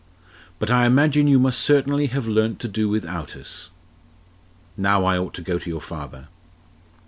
But I imagine you must certainly have learnt to do without us. Now I ought to go to your father."